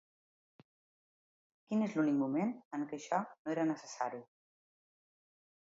Quin és l'únic moment en què això no era necessari?